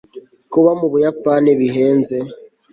kuba mu buyapani bihenze